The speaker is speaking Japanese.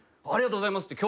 「ありがとうございます！」